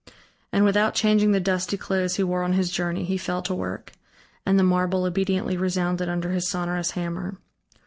And without changing the dusty clothes he wore on his journey, he fell to work, and the marble obediently resounded under his sonorous hammer.